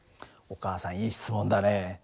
お母さんいい質問だね。